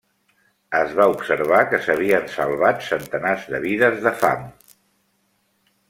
Es va observar que s'havien salvat centenars de vides de fam.